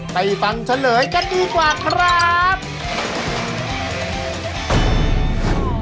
ไปฟังเฉลยกันดีกว่าครับ